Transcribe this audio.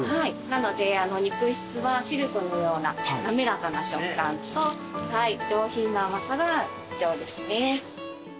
なので肉質はシルクのような滑らかな食感と上品な甘さが特徴ですね。